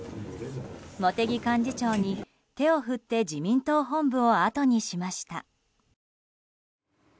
茂木幹事長に手を振って自民党本部をあとにしました。